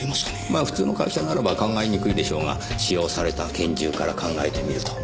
まあ普通の会社ならば考えにくいでしょうが使用された拳銃から考えてみるとどうでしょう。